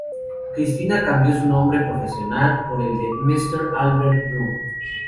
Christina cambió su nombre profesional por el de Mrs Albert Broom.